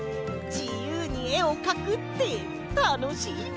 じゆうにえをかくってたのしいね！